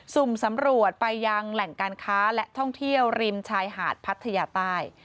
สุ่มสำรวจไปยังแหล่งการค้าและท่องเที่ยวริมชายหาดพัทยาใต้